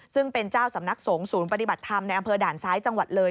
ซึ่งเป็นเจ้าสำนักสงฆ์ศูนย์ปฏิบัติธรรมในอำเภอด่านซ้ายจังหวัดเลย